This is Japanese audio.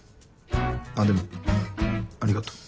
あっでもありがとう。